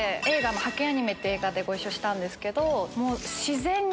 『ハケンアニメ！』って映画でご一緒したんですけど。